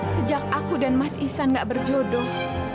sejak aku dan mas ihsan nggak berjodoh